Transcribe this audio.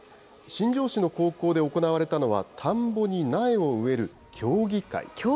新庄市の高校で行われたのは、田んぼに苗を植える競技会。